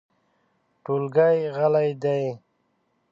ټولګی غلی دی .